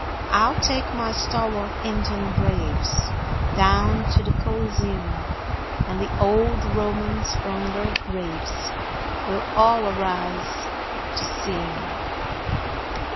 I'll take my stalwart Indian braves Down to the Coliseum, And the old Romans from their graves Will all arise to see 'em.